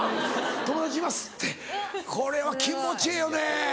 「友達います」ってこれは気持ちええよね。